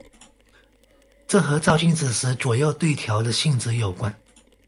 这和照镜子时左右对调的性质有关。